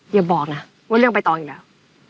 อย่าบอกนะว่าเรื่องใบตองอีกแล้ว